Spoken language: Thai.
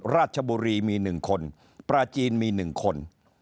ราชบุรีมี๑คนปลาจีนมี๑คน